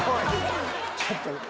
ちょっと！